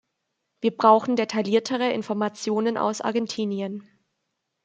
Wir brauchen detailliertere Informationen aus Argentinien.